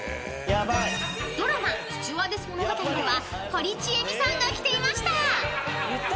［ドラマ『スチュワーデス物語』では堀ちえみさんが着ていました］